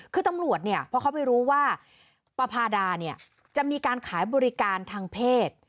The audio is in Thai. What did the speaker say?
คือตำรวจเพราะเขาไปรู้ว่าปราภาดาจะมีการขายบริการทางเพศ